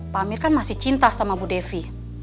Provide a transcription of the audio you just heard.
pak amir kan masih cinta sama bu devi